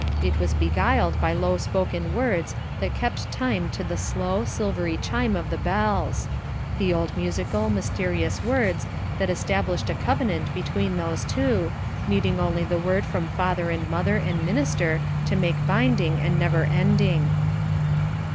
It was beguiled by low spoken words that kept time to the slow, silvery chime of the bells the old musical, mysterious words that established a covenant between those two, needing only the word from father and mother and minister to make binding and never ending.